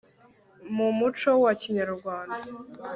mu muco wa kinyarwanda